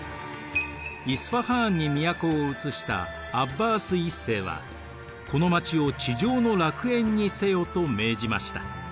イスファハーンに都をうつしたアッバース１世はこの街を地上の楽園にせよと命じました。